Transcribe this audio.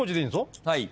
はい。